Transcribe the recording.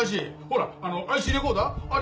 ほらあのＩＣレコーダー？